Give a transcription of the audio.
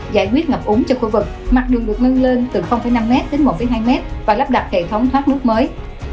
giải quyết ngập úng cho khu vực mặt đường được nâng lên từ năm m đến một hai m và lắp đặt hệ thống thoát nước mới